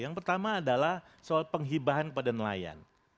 yang pertama adalah soal penghibahan pada nelayan